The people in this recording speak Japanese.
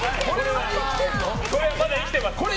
これはまだ生きてます。